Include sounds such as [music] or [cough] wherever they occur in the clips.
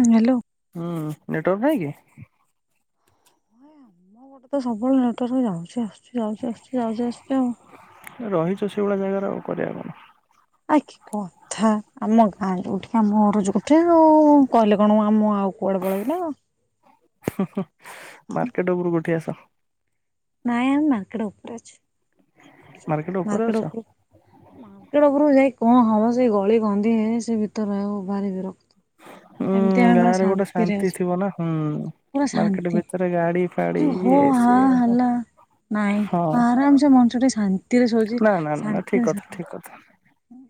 ହଁ ହ୍ୟାଲୋ। ହୁଁ ନେଟୱାର୍କ ନାହିଁ କି? ହ ଆମ ପଟେ ତ ସବୁବେଳେ ନେଟୱର୍କ ଯାଉଛି ଆଶୁଛି ଯାଉଛି ଆଶୁଛି ଆଉ। ରହିଛ ସେଇଭଳିଆ ଜାଗାରେ ଆଉ କରିବା କଣ? ଆଖି କଥା ଆମ ଗାଁ ଯୋଉଠିକି ଆମର ଯଉଠି ଆଉ କହିଲେ କଣ ଆମ ଆଉ କୁଆଡେ ପଳେଇବି ନା କଣ। ମାର୍କେଟ ଉପରକୁ ଉଠି ଆସ। ନାଇଁ ଆମ ମାର୍କେଟ ଉପରେ ଅଛୁ। ମାର୍କେଟ ଉପରେ ଅଛ ମାର୍କଟ ଉପ ମାର୍କେଟ ଉପୁରକୁଯାଇ କଣ? ହଁ ହଁ ସେଇ ଗଳି କନ୍ଦି ଏ ସେ ଭିତରେ ଆଉ ଭାରି ବିରକ୍ତ। ହୁଁ ଏମତି ଆମେ ପୁରା ଗାଁରେ ଗୋଟେ ଶାନ୍ତିରେ ଶାନ୍ତି ଅଛୁ ଥିବ ନା ହୁଁ ପୁରା ମାର୍କେଟ ଶାନ୍ତି ଭିତରେ ଗାଡି ଫାଡି ଯ ହୋ ଇଏ ହ ସିଏ ହେଲା ନାଇଁ ହଁ ଆରାମ ସେ ମଣିଷ ଟିକେ ଶାନ୍ତିରେ ଶଉଛି ନା ନା ନା ନା ଠିକ କଥା ଶାନ୍ତିରେ ଠିକ କଥା ହଁ।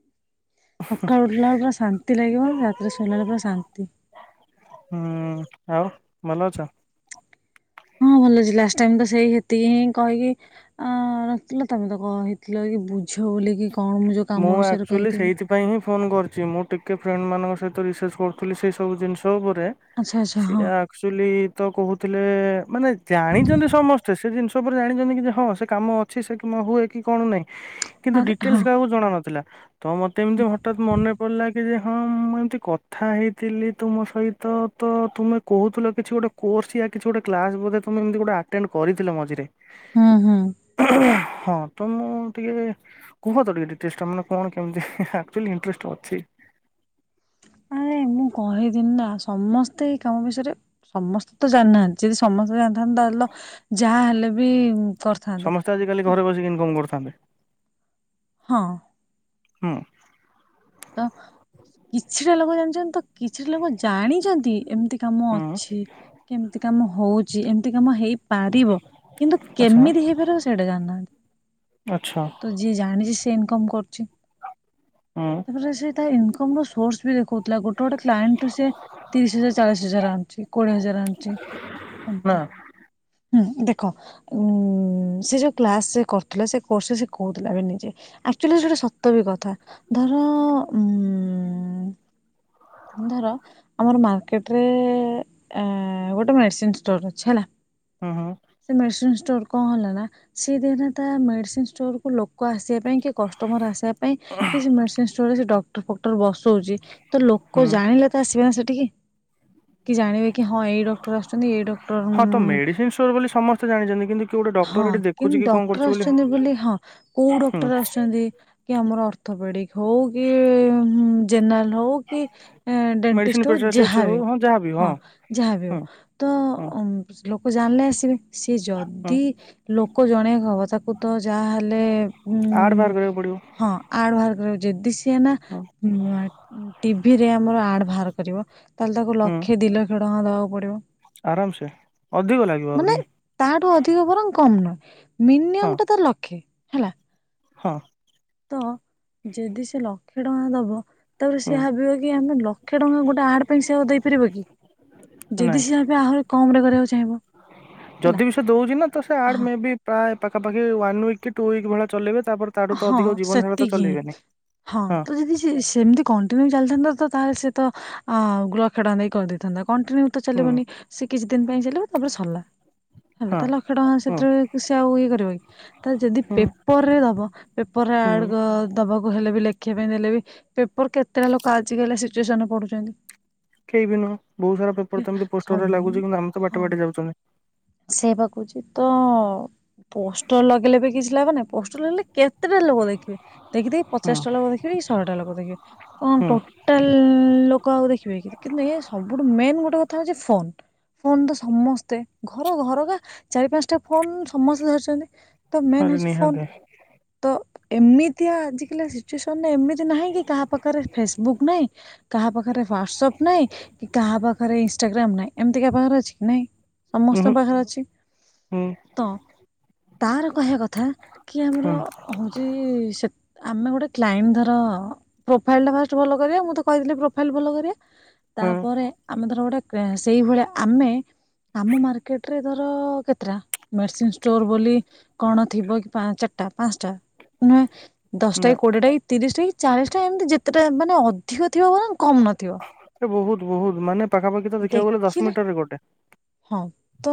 ସକାଳୁ ଉଠିଲା ବେଳକୁ ପୁରା ଶାନ୍ତି ଲାଗିବ ରାତିରେ ସୋଇିଲା ବେଳକୁ ପୁରା ଶାନ୍ତି। ହୁଁ ଆଉ ଭଲ ଅଛ? ହଁ ଭଲ ଅଛି ଲାଷ୍ଟ ଟାଇମ ତ ସେଇ ହେତିକି ହିଁ କହିକି ଅ ରଥିଲ ତମେ ତ କହିଥିଲ କି ବୁଝ ବୋଲିକି। କଣ ଯୋଉ କାମ ମୁଁ ବିଷୟରେ ଆକ୍ଚୁଆଲି କହିଥିଲି ସେଇଥିପାଇ ହିଁ ଫୋନ କରିଛି ମୁଁ ଟିକେ ଫ୍ରେଣ୍ଡ ମାନଙ୍କ ସହିତ ରିସର୍ଚ କରୁଥିଲ ସେଇ ସବୁ ଜିନିଷ ତୋଉପରେ ଆଚ୍ଛା ଆଚ୍ଛା ହଁ ସିଏ ଆକଚୁଲି ତ କହୁଥିଲେ ମାନେ ଜାଣିଛନ୍ତି ସମସ୍ତେ ସେ ଜିନ ସେ ଉପରେ ଜାଣିଛନ୍ତି କି ଯେ ହଁ ସେ କାମ ଅଛି ସେ କାମ ହୁଏ କି କଣ ନାହିଁ। କିନ୍ତୁ ଆରେ ଡିଟେଲ୍ସ ହଁ। କାହାକୁ ଜଣା ନଥିଲା। ତ ମତେ ଏମିତି ହଠାତ୍ ମନେ ପଡିଲା କି ଯେ ହଁ ମୁଁ ଏମିତି କଥା ହେଇଥିଲି ତୁମ ସହିତ ତ ତ ତୁମେ କହୁଥିଲ କିଛି ଗୋଟେ କୋର୍ସୟା କିଛି ଗୋଟେ କ୍ଲାସ ବୋଧେ ତୁମେ ଏମିତି ଗୋଟେ ଆଟେଣ୍ଡ କରିଥିଲ ମଝିରେ। ହୁଁ ହୁଁ। ହଁ ତ ମୁଁ ଟିକେ। କୁହ ତ ଟିକେ ଡିଟେଲସ ଟା ମାନେ କଣ କେମିତି ଆକଚୁଆଲି ଇଣ୍ଟରେଷ୍ଟ ଅଛି। ଆ ମୁଁ କହିଦିନି ନା ସମସ୍ତେ ଏଇ କାମ ବିଷୟରେ ସମସ୍ତେ ତ ଜାଣିନାହାନ୍ତି ଯଦି ସମସ୍ତେ ଜାଣିଥାନ୍ତିେ ତାହେଲେ ତ ଯାହାହଲେ ବି କରିଥାନ୍ତେ ସମସ୍ତେ ତ ଆଜିକାଲି ଘରେ ବସିକି ଇନକମ କରୁଛନ୍ତି। ଆମେ ହଁ ହୁଁ ତ କିଛିଟା ଲୋକ ଜାଣିଛନ୍ତି ତ କିଛିଟା ଲୋକ ଜାଣିଛନ୍ତି ଏମତି। କାମ ହୁଁ ଅଛି କେମତି। କାମ ହଉଛି ଏମିତି କାମ ହେଇ ପାରିବ କିନ୍ତୁ ଆଚ୍ଛା କେମିତି ହେଇପାରିବ ସେଇଟା ଜାଣିନାହାନ୍ତି ଆଚ୍ଛା ତ ଯିଏ ଜାଣିଛି। ସେ ଇନକମ୍ କରୁଛି। ହୁଁ ତାପରେ ସେ ତା ଇନକ ତମର ସୋର୍ସ ବି ଦେଖୋଉ ଗୋଟେ ଗୋଟେ କ୍ଲାଇଡ଼ ସେ ତିରିଶ ହଜାର ଚାଳିଶ ହଜାର ଆଣୁଛି କୋଡିଏ ହଜାର ଆଣୁ ଛି ନା ଏମତି ହୁଁ ଦେଖ ଉ ସେ ଯୋଉ କ୍ଲାସରେ କରୁଥିଲା ସେ କୋର ସେସ କହୁଥିଲା ଏବେ ନିଜେଆକଚୁଏଲି ସେଟା ସତ ବି କଥା। ଧର ଉ ଧର ଆମର ମାର୍କେଟରେ ଗୋଟେ ମେଡ଼ିସିନ ଷ୍ଟୋର ଅଛି ହେଲା ହୁଁ ହୁଁ ସେ ମେଡିସିନ ଷ ତୋର କଣ ହେଲା ନା ସେ ଦିନ ତା ମେଡିସିନୋରକୁ ଲୋକ ଆସିବ ପାଇଁ କି କଷ୍ଟମର ଆସି ମେଡ଼ିସିନଷ୍ଟୋରରେ ସେ ଡ଼କ୍ଟର ଫକ୍ଟର ବସଉଛି ତ ଲୋକ ହୁଁ। ଜାଣିଲେ ତା ଆସିବେ ସେ- ଟିକେ କି ଜାଣିବେ କି ହଁ ଏଇ ଡକ୍ଟର ଆସୁଛନ୍ତି ଏଇ ଡକ୍ଟର ହଁ ତ ଉମମ୍ ମେଡିସିନ ଷ୍ଟୋର ବୋଲି ସମସ୍ତେ ଜାଣିଛନ୍ତି କିନ୍ତୁ କିଏ ଗୋଟେ ଡକ୍ଟର ହଁ ଏଠି ଦେଖୁଛି କିନ୍ତୁ କି କଣ କରୁଛି ଡକ୍ଟର ଆସୁଛନ୍ତି ବୋଲି ହଁ କୋଉ ହୁଁ ଡକ୍ଟର ଆସୁଛନ୍ତି କି ଆମର ଅର୍ ଅର୍ଥପେଡ଼ିକ ହଉ କି ଜେନେରାଲ। ହଉ କି ମେଡିସିନ ଡେଣ୍ଟିଷ୍ଟ ହଉ ସ୍ପେଶାଲିଷ୍ଟ ଯାହାବ ହଉ ହଁ ଯାହାବି ହଁ ଯାହାଵି ଯାହାବି ହଁ ହଉ ତ ହଁ ଲୋକ ଜାଣିଲେ ଆସିବେ ସି ହଁ ଯଦି ଲୋକ ଜଣେଇବାକୁ ହବ ତାକୁ। ତ ଯାହାହେଲେ। ଆଡ୍ ଉଁ ବାହାର କରିବାକୁ ପଡିବ ହଁ କାର ଯଦି ସି ସେ ନା ହଁ ହୁ [unintelligible] ଟିଭି ରେ ଆମର ଆଡ଼ ବାହାର କରିବ। ତାହେଲେ ତାକୁ ହୁଁ ଲକ୍ଷେ ଦିଲକ୍ଷେ ଟଙ୍କା ଦବା କୁପଡିବ। ଆରାମ ସେ ଅଧିକ ଲାଗିବ ମାନେ ଆହୁରି ତାଠୁ ଅଧିକ ବରଂ କମ ନୁ୍ ହଁ ମିନିୟମ ଟା ତ ଲକ୍ଷେ। ହେଲା। ହଁ। ତ ଯଦି ସେ ଲକ୍ଷେ ଟଙ୍କା ଦବ। ତାପରେ ହୁଁ ସିଏ ଭାବିବ କି ଆମେ ଲକ୍ଷେ ଟଙ୍କା ଗୋଟେ ଆଡ ପାଇଁ ସେ ଆଉ ଦେଇପାରିବ କି ନାଇଁ ଯଦି ସିଏ ଏବେ ଆହୁରି କମ୍ ରେ କ ଯଦି ବି ସେ ଦଉଚି ନା ତ ସେ ଆଡ୍ ହଁ ମେ ବି ପ୍ରାୟ ପାଖାପାଖି ୱାନ୍ ୱିକ୍ କି ଟୁ ୱିକ୍ ଭଳିଆ ଚଲେଇବେ ତାପରେ ତାଠୁ ତ ହଁ ଅଧିକ ଜୀବନ ସାରା ତ ସେତିକି ଚଲେଇବେନି ହଁ ତ ଯଦି ସେ-ସେମିତି କଣ୍ଟିନ୍ୟୁ ଚାଲିଥାନ୍ତା ତ ତାହେଲେ ସେ ତ ଆ, ଲକ୍ଷେ ଟଙ୍କା ଦେଇ କରିଦେଇଥାନ୍ତା। କଣ୍ଟିନ୍ୟୁ ତ ହୁଁ ଚାଲିବନି ସେ କିଛି ଦିନ ପାଇଁ ଚାଲିବ ତାପରେ ସରିଲା। ହେଲା ହଁ ତ ଲକ୍ଷେ ଟଙ୍କା ହୁଁ ସେଥିରେ କି ସେ ଆଉ ଇଏ କରିବ ତା ଯଦି ହୁଁ ପେପର ରେ ଦବ ପେପର ହୁଁ ଆଡ୍ ଗ-ଦବାକୁ ହେଲେ ବି ଲେଖିବା ପାଇଁ ଦେଲେ ବି ପେପର କେତେଟା ଲୋକ ଆଜି କାଲି ସିଚୁଏସନ୍ ରେ ପଢୁଚନ୍ତି। କେଇ ବିି ନୁହଁ ବହୁ ସାରା ପେପର ତ ଏମିତି ପୋଷ୍ଟର ସବୁ ରେ ଲାଗୁଚି, କିନ୍ତୁ ଆମେ ତ ବାଟେ ବାଟେ ଯାଉଚନି। ସେ ବା କହୁଛି ତ ପୋଷ୍ଟର ଲଗେଇଲେ ବି କିଛି ଲାଭ ନାହିଁ, ପୋଷ୍ଟର ଲଗେଇଲେ କେତେଟା ଲୋକ ଦେଖିବେ ଦେଖି ଦେଖି ହୁଁ ପଚାଶଟା ଲୋକ ଦେଖିବେ, କି ଶହେଟା ଲୋକ ଦେଖିବେ, କଣ ହୁଁ ଟୋଟାଲ ଲୋକ ଆଉ ଦେଖିବେ କି, କିନ୍ତୁ ଏୟା ସବୁଠୁ ମେନ୍ ଗୋଟେ କଥା ହଉଚି ଫୋନ୍। ଫୋନ୍ ତ ସମସ୍ତେ ଘର ଘର କା ଚାରି ପାନ୍ସଟା ଫୋନ୍ ସମସ୍ତେ ଧରିଚନ୍ତି। ତ ମେନ୍ ଆରେ ହଉଚି ଫୋନ୍, ନିହାତି ତ ଏମିତିଆ ଆଜିକାଲିଆ ସିଚୁଏସନ୍ ରେ ଏମିତ୍ ତି ନାହିଁ କି କାହା ପାଖରେ ଫେସବୁକ୍ ନାଇଁ, କାହା ପାଖରେ ହ୍ଵାଟସପ୍ ନାଇଁ, କି କାହା ପାଖରେ ଇନଷ୍ଟାଗ୍ରାମ ନାଇଁ। ଏମିତିକା [unintelligible] ଆଛି କି ନାଇଁ। ଉହୁଁ ସମସ୍ତଙ୍କ ପାଖରେ ଅଛି ହୁଁ ତ ତାର କହିବା କଥା କି ଆମର ହୁଁ ହଉଚି ସେ ଆମେ ଗୋଟେ କ୍ଲାଇଣ୍ଟ ଧର ପ୍ରୋଫାଇଲ୍ ଟା ଫାଷ୍ଟ ଭଲ କରିବା, ମୁଁ ତ କହିଥିଲି ପ୍ରୋଫାଇଲ୍ ଭଲ କରିବା। ହଁ ତାପରେ ଆମେ ଧର ଗୋଟେ କେଁ-ସେଇଭଳିଆ ଆମେ ଆମ ମାର୍କେଟରେ ଧର କେତେଟା ମେଡିସିନ୍ ଷ୍ଟୋର୍ ବୋଲି କଣ ଥିବ କି ପା ଚା ଟା ପାନ୍ସଟା ନୁହେଁ ଦଶଟା ନା କି, କୋଡିଏ ଟାକି, ତିରିଶଟି ଚାଳିଶ ଟା ଏମିତି ଯେତେଟା ମାନେ ଅଧିକ ଥିବ ବରଂ ବହୁତ ବହୁତ ମାନେ ପାଖାପାଖି ତ ଦେଖିବାକୁ ଗଲେ ଦଶ ଦେଖିଲେ ମିଟର ରେ ଗୋଟେ। ହଁ ତ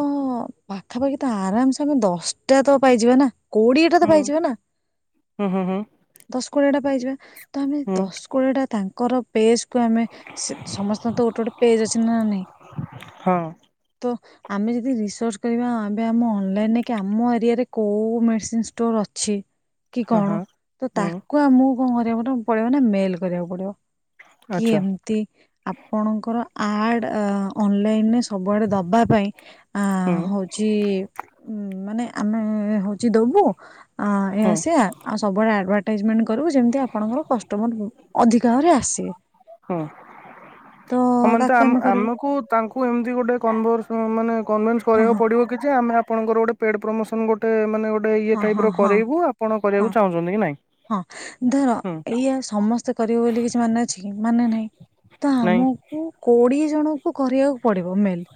ପାଖାପାଖି ତ ଆରାମସେ ଆମେ ଦଶଟା ତ ପାଇଯିବା ନା। କୋଡିଏ ଟା ତ ହୁଁ ପାଇଯିବା ନା ହୁଁ ହୁଁ ହୁଁ ଦଶ କୋଡିଏ ଟା ପାଇଯିବା ତ ଆମେ ହୁଁ ଦଶ କୋଡିଏ ଟା ତାଙ୍କର। ପଜ କୁ ଆମେ ସମସ୍ତଙ୍କ ତ ଗୋଟେ ଗୋଟେ ପେଜ ଅଛି ନା ହଁ ନାଇଁ ଆମେ ଯଦି ରିସର୍ଚ କରିବା ଆମ ଅନଲାଇନକ ଆମ ଏରିଆରେ କୋଉ ମେଡିସିନ ଷ୍ଟୋର ଅଛି। କି ହଁ ହଁ। କଣ ତ ହୁଁ ତାକୁ ଆମ କଣ କରିବାକୁ ପଡେଇିବ ନା ମେଲ କରିବାକୁ ପଡିବ। କି ଆଚ୍ଛା ଏମତି ଆପଣଙ୍କର ଆଡ ଅନଲାଇନରେ ସବୁଆଡେ। ପାଇଁ ଆ ହୁଁ ହୁଁ ହଉଛି ଉ ମାନେ ଆମେ ହଉଛି ଦବୁ ଏ ହୁଁ। ଆସ ଆଉ ସବୁ ଆଡଭଟାଇଜମେଣ୍ଟ କରିବୁ ଯେମିତି ଆପଣଙ୍କର କଷ୍ଟମର ଅଧିକା ଭାବରେ ଆସିବେ। ହୁଁ ତ ହମାନେ ତ ତାକୁ ଆମେ କରିବୁ ଆମକୁ ତାଙ୍କୁ ଏମିତି ଗୋଟେ କ ହ ମାନେ। କନଭେନ୍ସ ହଁ କରିବାକୁ ହଁ ପଡ଼ିବ କିଛି ଆମେ ଆପଣଙ୍କର ଗୋଟେ। ଆଡ୍ ପ୍ରମୋଶନ ଗୋଟେ ମାନେ। ଗୋଟେ ଇଏ ହଁ ଟାଇପ ହଁ ର ହଁ କରେଇବୁ ଆପଣ କରିବାକୁ ହଁ ଚାହୁଁଛନ୍ତି କି ନାଇଁ? ହଁ ଧର ହୁଁ ଏଇଆ ସମସ୍ତେ କରିବ ବୋଲି କିଛି ମାନେ ଅଛି କି? ମାନେ ନାଇଁ ତ ନାଇଁ ଆମକୁ କ କୋଡ଼ିଏ ଜଣଙ୍କୁ କରିବାକୁ। ପଡିବ ମେଲ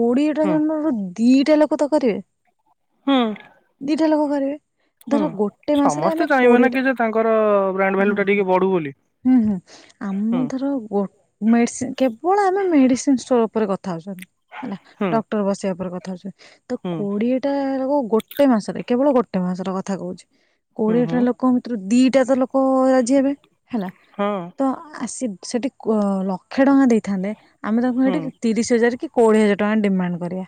କୋଡିଏଟା ହୁଁ ଜନ୍ମ [unintelligible] ଦିଟା ଲୋକ ତ କରିବେ ହଁ। ଦିଟା ଲୋକ କରିବେ। ଧର ଗୋଟେ ମାସରେ ସମସ୍ତେ ଆମେ ଚାହିଁବେ ନା କୋଡିଏଟା କି ଯେ ତାଙ୍କର ବ୍ରାଣ୍ଡ ଭାଲ୍ୟୁ ହୁଁ ଟା ହୁ ଟିକେ ବଢୁ ବୋଲି ହୁଁ ହୁଁ ଆମ ହୁଁ ଧର ମେଡିସିନ। କଣ ଆମେ ମେଡିସିନ ଷ୍ଟୋର ଉପରେ କଥା ହଉଛନ୍ତି। ହେଲା ହୁଁ। ଡକ୍ଟର ବସେଇିବା ପରେ କଥା ଠାରେରେ [inaudible] ତ ହୁଁ କୋଡିଏ ଟା ଲୋକ କ ଗୋଟେ। ଗୋଟେ ମାସରେ କେବଳ ଗୋଟେ ମାସର କଥା କହୁଛି। ହୁଁ ହୁଁ କୋଡିଏଟା ଲୋକଙ୍କ ଭିତରୁ ଦିଟା ତ ଲୋକ ରାଜି ହେବେ ହେଲା ହଁ ତ ଆସି। ସେଠି ଲକ୍ଷେ ଟଙ୍କା ଦେଇ ଥାନ୍ତେ ଆମେ ତାଙ୍କୁ ଏଠି ହୁଁ ତିରିଶ ହଜାର କି। କୋଡ଼ିଏ ହଜାର ଟଙ୍କା ଡିମାଣ୍ଡ କରିବା।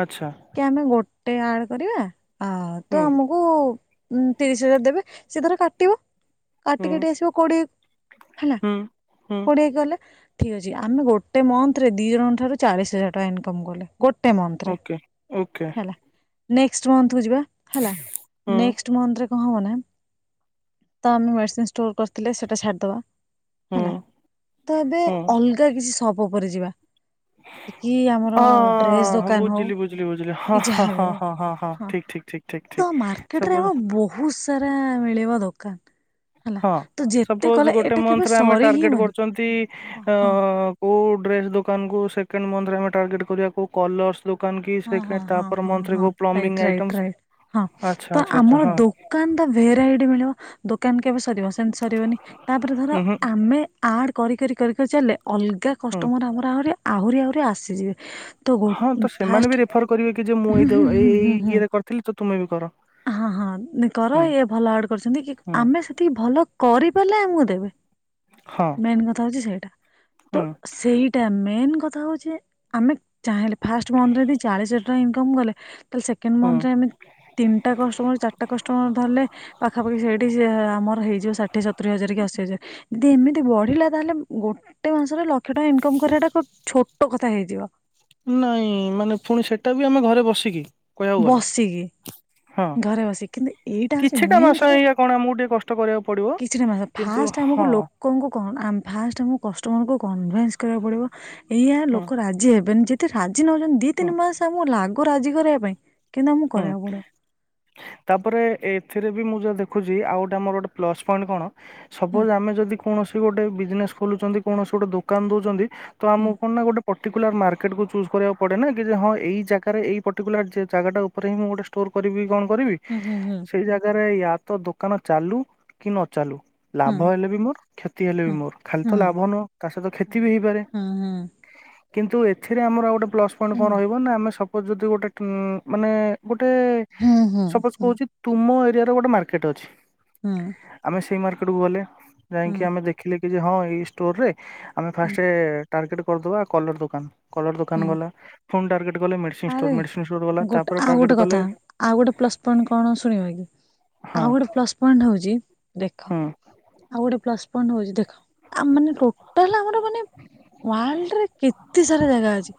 ଆଚ୍ଛା କି ଆମେ ଗୋଟ ଗୋଟେ ଆଡ଼୍ କରିବା? ଆ ତ ହୁଁ ଆମକୁ ଉଁ ତିରିଶ ହଜାର ଦେବେ ସେ ତାର କାଟିବ। କାଟି ହୁଁ କାଟି ଆସିବ କୋଡିଏ କୁ ହେଲା ହୁଁ। ହୁଁ କୋଡିଏ କଲା ଠିକ୍ ଅଛି ଆମେ ଗୋଟେ ମନ୍ଥ ରେ ଦିଇ ଜଣଙ୍କ ଠାରୁ ଚାଳିଶ ହଜାର ଟଙ୍କା ଇନକମ୍ କଲେ। ଗୋଟେ ମନ୍ଥରେ ଓକେ ଓକେ ହେଲା। ନେଷ୍ଟେ ମନ୍ଥକୁ ଯିବା। ହେଲା ହୁଁ ନେଷ୍ଟ ମନ୍ଥରେ ହବନା ତ ଆମେ ତ କରିଥିଲେ ସେଇଟା ଛାଡ଼ିଦବା ହୁଁ। ହେଲା ତ ଏବେ ହୁଁ ଅଲଗା କିଛି ପ ଉପରେ ଯିବା। କି ଆମର ଡ୍ରେସ ହଁ ଦୋକାନ ହଉ ବୁଝିଲି ବୁଝିଲି ବୁଝିଲି କି ହ ହ ଯାହାବି ହଁ ହଉ ହଁ ହଁ ହଁ। ଠିକ୍ ଠିକ୍ ଠିକ୍ ଠିକ୍ ସବୁ ହେଲା ରା ମିଳିବ ଦୋକାନ। ହେଲା ହଁ ତ ଯେତେ ସପୋଜ୍ କଲେ ଗୋଟେ ଏଟା କେବେ ମନ୍ଥରେ ଆମେ ସରି ହିଁ ଟାର୍ଗେଟ୍ ବନି କରୁଛନ୍ତି ହଁ ହଁ କୋଉ ଡ୍ରେସ୍ ଦୋକାନ କୁ ସେ ସେକେଣ୍ଡ ମନ୍ଥରେ ଆମେ ଟାର୍ଗେଟ୍ କରିବାକୁ କଲରସ୍ ହଁ ହଁ ହଁ ହଁ ହଁ ରାଇଟ୍ ରାଇଟ୍ ଆଇଟମ୍ସ ହଁ ଆଚ୍ଛା ତ ଆଚ୍ଛା ଆଚ୍ଛା ଆମର ହଁ ଦୋକାନ ଟା ଭେରାଇଟି ମିଳିବ ଦୋ କେନ କେବେ ସେ ସରିବ ସେମିତି ସରିବନି ତାପରେ ଧର ଉଁ ହୁଁ ଆମେ ଆଡ୍ କରି କରି କରି ଚାଲିଲେ ଅଲଗା ହୁଁ କଷ୍ଟମର ଆମର ଆହୁରି ଆହୁରି ଆହୁରି ଆସିଯିବେ। ତ ଗୋ ହଁ ତ ସେମାନେ ବି ଫାଷ୍ଟ ପ୍ରିଫର୍ କରିବେ କି ଯେ ମୁଁ ହୁଁ ଏଇ ହୁଁ ହୁଁ ଏଇ ହୁଁ ହୁଁ ଇଏରେ କରିଥିଲି ତୁମେ ବି କର। ହଁ ହଁ କର ହୁଁ ଇଏ ଭଲ ଆଡ କରିଛନ୍ତି କି ହୁଁ ଆମେ ସେତିକି ଭଲ କରିପାରିଲେ ଆମୁକୁ ଦେବେ। ହଁ ମେନ୍ କଥା ହଉଛି ସେଇଟା ତ ହୁଁ ସେଇଟା ମେନ୍ କ କଥା ହଉ ଆମେ ଚାହିଁଲେ ଫାଷ୍ଟ ମନ୍ଥରେ ଯଦି ଚାଳିଶ ହଜାର ଟଙ୍କା ଇନକମ କଲେ ତ ହୁଁ ସେକେଣ୍ଡେମନଥରେ ଆମେ ତିନିଟା କଷ୍ଟମର କି ଚାରିଟା କଷ୍ଟମର ଧରିଲେ ପାଖାପାଖି ସେଇଠି ସିଏ ଆମର ହେଇଯିବ ଷାଠିଏ ସତୁରୀ ହଜାରେ କି ଅଶୀହଜାରେ ଦିଦି ଏମିତି ବଢ଼ିଲା ତାହେଲେ ଗୋଟେ ମାସରେ ଲକ୍ଷେ ଟଙ୍କା ଇନକମ୍ କରିବା ଛୋଟ କଥା ହେଇଯିବ। ନାଇଁ କହିବାକୁ ଗଲେ ବସିକି ହଁ ଘରେ ବସିକି କିନ୍ତୁ ଏଇଟା ହଉଛି କିଛିଟା ମେନ୍ ମାସ କଥା ଏୟାକଣ ଆମକୁ ଟିକେ କଷ୍ଟ କରିବାକୁ ପ କିଛିଟା ମାସ ଫାଷ୍ଟ ଆମକୁ ଲୋକଙ୍କୁ ଫାଷ୍ଟ ଆମକୁ ପ କଷ୍ଟମର ଙ୍କୁ କନ୍ କରିବାକୁ ପଡ଼ିବ ଏଇଆା ହୁଁ ଲୋକ ରାଜି ହେବେନି ଯେ ଏତେ ରା [inaudible] ଦି ହୁଁ ତିନି ମାସ ଆମକୁ ଲାଗୁ ରାଜିକି କରିବା ପାଇଁ କିନ୍ତୁ ଆମକୁ ହୁଁ କରିବାକୁ ପଡିବ। ସେଥିରେ ବି ମୁଯାହା ଦେଖୁଛି ଆଉ ଗୋଟେ ଆମର ଗୋଟେ ପ୍ଲସ୍ ପଏଣ୍ଟ କଣ? ହୁଁ ସପୋଜ ଆମେ ଯଦି କୌଣସି ଗୋଟେ ବିଜନେସ ଖୋଲୁଛନ୍ତି କୌଣସି ଗୋଟେ ଦୋକାନ ଦଉଛନ୍ତି। ତ ହୁଁ ଆମକୁ କଣ ନା ଗୋଟେ ପ ପର୍ଟିକୁଲାର ମାର୍କେଟକୁ ଚୁଜ୍ କରିବାକୁ ପଡ଼େ ନା କି ଯେ ହଁ ଏଇ ଜାଗାରେ ଏଇ ପର୍ଟିକୁଲାର ଜାଗାଟା ପରେ ହିଁ ମୁଁ ଗୋଟେଷ୍ଟୋର କରିବି କଣ? କରିବି ହୁଁ ହୁଁ ସେଇ ଜାଗାରେ ୟା ତ ଦୋକାନ ଚାଲୁ କି ନ ଚାଲୁ ହୁଁ ଲାଭ ହେଲେ ବି ମୋର କ୍ଷତି ହେଲେ ବି ହୁଁ ମୋର ଖାଲି ହୁଁ ତ ଲାଭ ନୁହଁ ତା ସହିତ କ୍ଷତି ବି ହେଇପାରେ ହୁଁ ହୁଁ କିନ୍ତୁ ଏଥିରେ ଆମର ଗୋଟେ ପ୍ଲସ ପଏଣ୍ଟ ହୁଁ କଣ ରହିବ ନା ଆମେ ସ- ଯଦି ଗୋଟେ ଟୁଁ ମାନେ ଗୋଟ ଗୋଟେ ହୁଁ ହୁଁ ହୁଁ ସପୋଜ ହୁଁ କହୁଛି ତୁମ ଏ ଏ ଗୋଟେ ମାର୍କେଟ ଅଛି ହୁଁ ହୁଁ ଆମେ ସେଇ ମାର୍ ଟ କୁ ଗଲେ। ହୁଁ ଯାଇକି ଆମେ ଦେଖିଲେ। କି ଯେ ହଁ ଏଇ ଷ୍ଟୋର ରେ। ଆମେ ହୁଁ ଫାର୍ଷ୍ଟେ। ଟାର୍ଗେଟ୍ କରିଦବା କଲର ଦୋକାନ। କଲର ଦୋକାନ ଗଲା। ଫୋନ ଟାର୍ଗେଟ ଗଲି ମେଡ଼ିସିନ୍ ଷ୍ଟୋର ଆରେ ମେଡ଼ିସିନ୍ ଷ୍ଟୋର ଗଲା। ଗୋଟେ ତାପରେ ଆଉ ଟାର୍ଗେଟ ଗୋଟେ କଥା କଲେ ଆଉ ଗୋଟେ ପ୍ଲସ୍ ପଏଣ୍ଟ କଣ ଶୁଣିବା ଆଉ ହଁ ଗୋଟେ ପ୍ଲସ ପଏଣ୍ଟ ହଉଛି ଦେଖ ହଁ ଆଉ ଗୋଟେ। ପ୍ଲସ୍ ପଏଣ୍ଟ ହଉଛି ଦେଖ ଆମେମାନେ ଟୋଟାଲ ଆମର ମାନେ ୱାର୍ଲଡରେ କେତେ ସାରା ଜାଗା ଅଛି।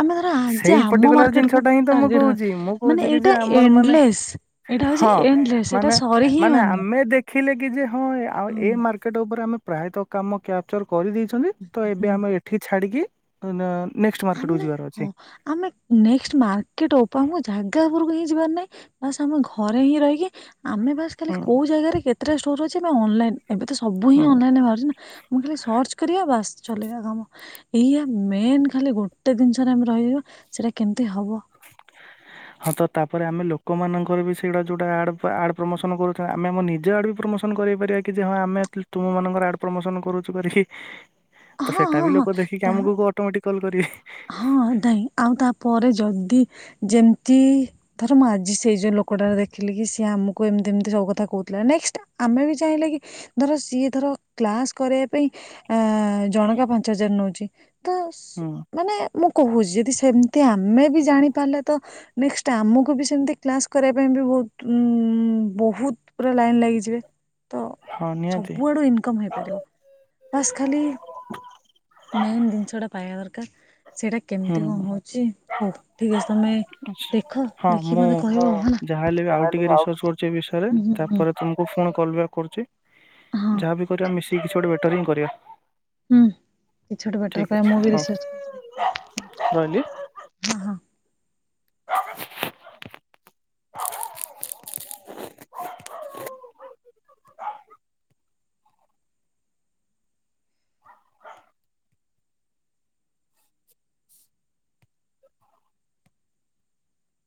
ଆମେ ଧର ଆ ସେଇ ପର୍ଟିକୁଲାର ଜିନିଷଟା ହିଁ ତ ମୁଁ କହୁଛି ମୁଁ ମାନେ କହୁଛି କି ଏଇଟା ଯେ ଆମର ମାନେ ଏଣ୍ଡଲେସ୍ ଏଇଟା ହଉଛି ହଁ ଏଣ୍ଡଲେସ୍ ଏଇଟା ମାନେ ସରି ହିଁ ମାନେ ବନି ଆମେ ଦେଖିଲେ କି ଯେ ହଁ ଆ ହଁ ଏ ମାର୍କେଟ ଉପରେ ଆମେ। ପ୍ରାୟତଃ କାମ କ୍ୟାପଚର କରିଦେଇଛନ୍ତି ତ ଏବେ ହୁଁ ଆମେ ଏଠି ଛାଡ଼ିକି। ନାନୀ ଆମେ ହଁ ଆମେ ନେକ୍ସଟ୍ ମାର୍କେଟପ ଜାଗା ଉପରକୁ। ଜିବାର ନାହିଁ ବାସ ଆମେ ଘରେ ହିଁ ରହିକି ଆମେ ବାସ ଖାଲି ହୁଁ କୋଉ ଜାଗାରେ କେତେ ଇଟା ଷ୍ଟୋରରୁ ଅଇଚି ନାଁ ଅନ ଲାଇନ। ଏବେ ତ ସବୁ ହିଁ ହୁଁ ଅନଲାଇନରେ ବାହାରୁଛି ନା ମୁଁ ଖାଲି ସର୍ଚ୍ଚ କରିବା ବାସ୍ ଚଲେଇ କାମ। ଏଇଆ ମେନ୍। ଖାଲି ଗୋଟେ ଜିନିଷରେ ଆମେ ରହିବା ସେଇଟା କେମତି ହବ। ହଁ ତ ତାପରେ ଆମେ ଲୋକମାନଙ୍କର ବି ସେଇଗୁଡ଼ା ଯେଉଁଟା ଆଡ଼ ଆଡ଼ ପ୍ରମୋସନ୍ କରୁଛ ଆମେ ଆମ ନିଜ ଆଡ଼ ବି ପ୍ରମୋସନ୍ କରପାରିବା କି ଯେ ହଁ ଆମେ। ତୁମ ମାନଙ୍କର ଆଡ୍ ପ୍ରମୋସନ କରୁ। କରି କିି? ହଁ ତ ସେଟା ହଁ ବି ହଁ ଲୋକ ଦେଖିକି ତା ଆମକୁ ଅଟୋମେଟିକ। କଲ କରିବେ। ହଁ ଯେମତି ଧର ମୁଁ ଆଜି ସେଇ ଯୋଉ ଲୋକଟାରେ ଦେଖିଲି କି ସିଏ ଆମକୁ ଏମତି ଏମିତି ସବୁ କଥା କହୁଥିଲା ନେକ୍ସ ଆମେ ବି ଚାହିଁଲେ କି ଧର ସିଏ ଧର କ୍ଲାସ କରିବା ପାଇଁକି ଜଣକା ପାଞ୍ଚ ହଜାର ନଉଚି। ତସ୍ ହୁଁ ନେ ମୁଁ କହୁଛି ଯଦି ସେମତି ଆମେ ବି ଜାଣି ପାରିଲେ ତ ନେଷ୍ଟ୍ ଆମକୁ ବି ସେମତି କ୍ଲାସ କରିବା ପାଇଁ ବି ବହୁତ ବହୁତ ପୁରା ଲାଇନ ଲାଗିଯିବେ। ତ ହଁ ନିହାତି ସବୁଆଡୁ ଇନକମ୍ ହେବ। ହେଇଥିବ ବାସ୍ ଖାଲି। ମେନ୍ ଜିନିଷଟା। ପାଇବାର। [inaudible] ସେଇଟା ହୁଁ କେମିତି କହେଉଛି ହଉ। ଠିକଛି। ହଁ ମୁଁ କହିବ ଆଉ ହେଲା। ଯାହାହଲେ ବି ଆଉ ଟିକେ ରିସର୍ଚ କରୁଛି ଏ ବିଷୟରେ ହୁଁ ହୁଁ ତାପରେ ତମକୁ ଫୋନ। କଲ୍ ବ୍ୟାକ କରୁଛି। ହଁ ଯାହାବି କରିବା ମିଶିକି କିଛି ଗୋଟେ ବେଟର ହିଁ। କରିବା ହୁଁ କିଛି ଗୋଟେ ବେଟର ଠିକ୍ ପାଇଁ ଅଛି ମୁଁ ବି ହଉ ରିଚର୍ଚ୍ଚ କରୁଛି ରହିଲି। ଦେଖିବା ହଁ [unintelligible] [unintelligible]